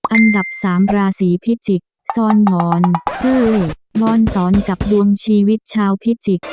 อันดับสามราศีพิจิกษ์ซ่อนหมอนเฮ้ยนอนสอนกับดวงชีวิตชาวพิจิกษ์